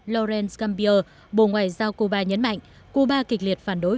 lawrence gambier bộ ngoại giao cuba nhấn mạnh cuba kịch liệt phản đối